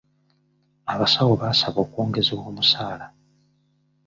Abasawo baasaba okwongezebwa omusaala.